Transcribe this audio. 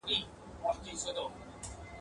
تر سفر مخکي د مرګ په خوله کي بند وو !.